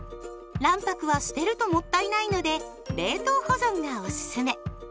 卵白は捨てるともったいないので冷凍保存がおすすめ。